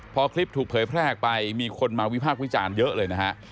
พอคลิปถูกเผยแพร่ออกไปมีคนมาวิพากษ์วิจารณ์เยอะเลยนะฮะ